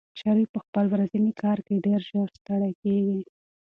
شریف په خپل ورځني کار کې ډېر ژر ستړی کېږي.